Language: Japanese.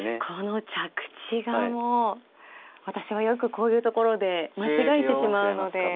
この着地がもう私はよくこういうところで間違えてしまうので。